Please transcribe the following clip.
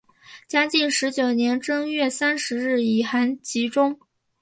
嘉靖十九年正月三十日以寒疾终。